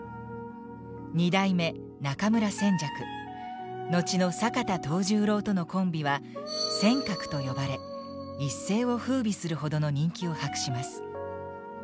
二代目中村扇雀後の坂田藤十郎とのコンビは「扇鶴」と呼ばれ一世を風靡するほどの人気を博します。